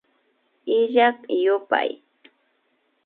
Illak yupay